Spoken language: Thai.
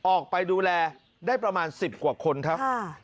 ออกไปดูแลได้ประมาณ๑๐กว่าคนครับ